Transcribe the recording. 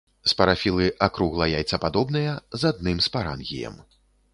Спарафілы акругла-яйцападобныя, з адным спарангіем.